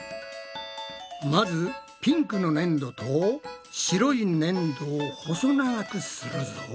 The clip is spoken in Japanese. まずピンクのねんどと白いねんどを細長くするぞ。